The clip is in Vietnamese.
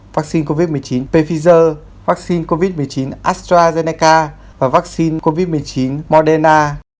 vắc xin covid một mươi chín pfizer vắc xin covid một mươi chín astrazeneca và vắc xin covid một mươi chín moderna